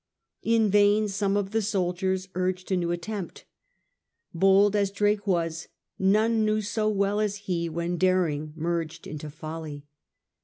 In vain some of the soldiers urged a new attempt. Bold as Drake was, none knew so well as he when daring merged into folly.